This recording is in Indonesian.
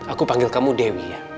aku panggil kamu dewi ya